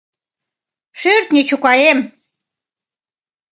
— Шӧртньӧ чукаем...